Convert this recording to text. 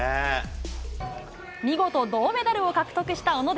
見事銅メダルを獲得した小野寺。